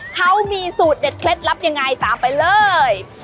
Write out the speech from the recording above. เขามีสูตรเด็ดเคล็ดลับยังไงตามไปเลย